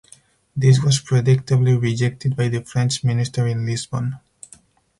This was predictably rejected by the French minister in Lisbon.